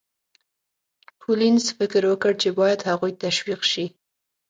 کولینز فکر وکړ چې باید هغوی تشویق شي.